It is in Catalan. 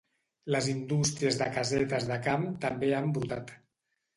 Les indústries de casetes de camp també han brotat.